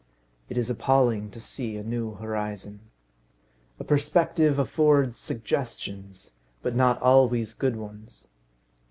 It is appalling to see a new horizon. A perspective affords suggestions, not always good ones.